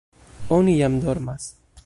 Oni jam dormas.